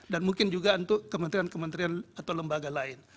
dan mungkin juga untuk kementerian kementerian atau lembaga lain